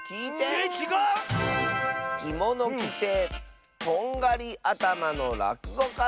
えっちがう⁉「きものきてとんがりあたまのらくごかさん」。